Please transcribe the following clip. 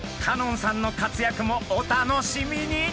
香音さんの活躍もお楽しみに！